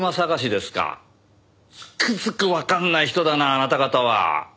つくづくわかんない人だなあなた方は。